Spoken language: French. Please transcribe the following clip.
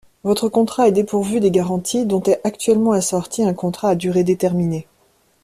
Votre contrat est dépourvu des garanties dont est actuellement assorti un contrat à durée déterminée.